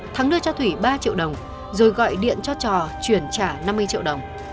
thắng đưa cho thủy ba triệu đồng rồi gọi điện cho trò chuyển trả năm mươi triệu đồng